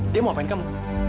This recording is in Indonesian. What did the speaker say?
dia mau apaan kamu